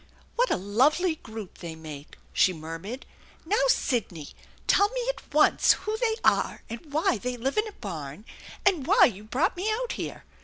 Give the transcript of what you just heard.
" What a lovely group they make !" she murmured. " Now, Sidney, tell me at once who they are and why they live in a barn, and why you brought me out here.